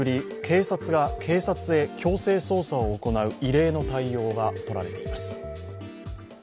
警察が警察へ強制捜査を行う異例の対応がとられています。